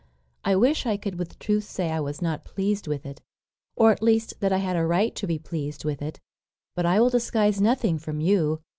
I wish I could with truth say I was not pleased with it; or, at least, that I had a right to be pleased with it. But I will disguise nothing from you.